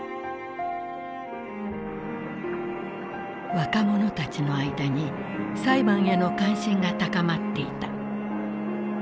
若者たちの間に裁判への関心が高まっていた。